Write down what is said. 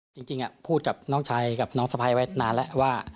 จริงพูดกับน้องชายกับน้องสะพ้ายไว้นานแล้วว่า